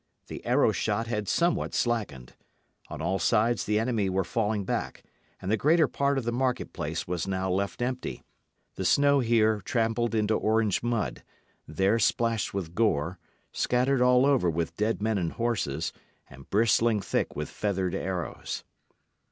The arrow shot had somewhat slackened. On all sides the enemy were falling back; and the greater part of the market place was now left empty, the snow here trampled into orange mud, there splashed with gore, scattered all over with dead men and horses, and bristling thick with feathered arrows.